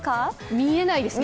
見えないですね。